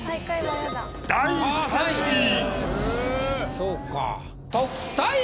そうか。